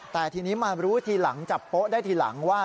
แต่ทีนี้มารู้ทีหลังจับโป๊ะได้ทีหลังว่า